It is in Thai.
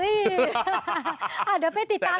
เดี๋ยวไปติดตามแทนเองติ๊กต๊อกแล้วกัน